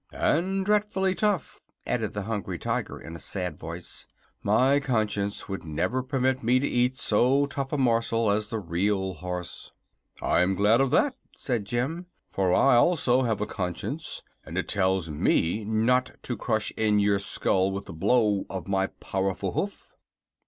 "And dreadfully tough," added the Hungry Tiger, in a sad voice. "My conscience would never permit me to eat so tough a morsel as the Real Horse." "I'm glad of that," said Jim; "for I, also, have a conscience, and it tells me not to crush in your skull with a blow of my powerful hoof."